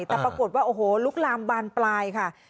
แต่ปรากฏว่าโอ้โหลุกลามบานปลายค่ะ